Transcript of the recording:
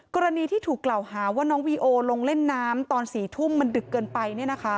กรณีที่ถูกกล่าวหาว่าน้องวีโอลงเล่นน้ำตอน๔ทุ่มมันดึกเกินไป